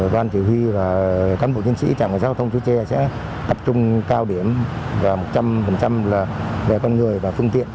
đoàn chỉ huy và cán bộ chiến sĩ trạng giao thông chúa tre sẽ tập trung cao điểm một trăm linh về con người và phương tiện